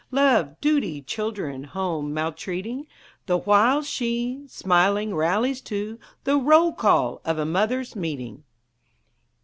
Love, duty, children, home, maltreating, The while she, smiling, rallies to The roll call of a Mothers' Meeting!